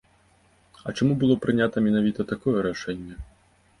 А чаму было прынята менавіта такое рашэнне?